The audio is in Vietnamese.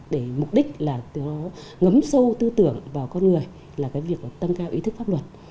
để mục đích là nó ngấm sâu tư tưởng vào con người là cái việc tân cao ý thức pháp luật